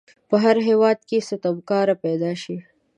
په هر هیواد کې ستمکاره پیداشي.